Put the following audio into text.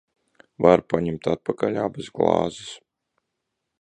Varu paņemt atpakaļ abas glāzes?